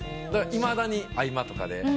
いまだに合間とかで。